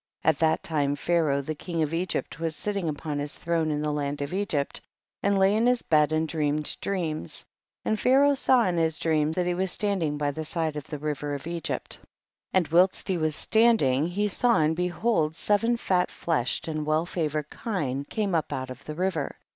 2. At that time Pharaoh king of Egypt was sitting upon his throne in the land of Egypt, and lay in his bed and dreamed dreams, and Pha raoh saw in his dream that he was standing by the side of the river of Egypt. 3. And whilst he was standing he saw and behold seven fat fleshed and well favored kine came up out of the river.